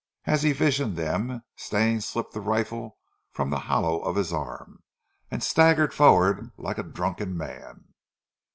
As he visioned them, Stane slipped the rifle from the hollow of his arm, and staggered forward like a drunken man.